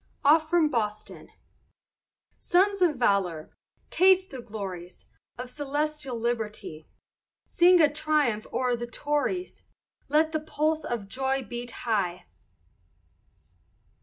OFF FROM BOSTON Sons of valor, taste the glories Of celestial liberty, Sing a triumph o'er the Tories, Let the pulse of joy beat high.